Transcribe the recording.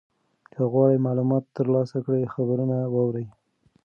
که غواړې معلومات ترلاسه کړې خبرونه واوره.